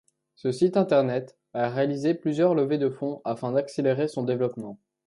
Ce site internet a réalisé plusieurs levées de fonds afin d’accélérer son développement.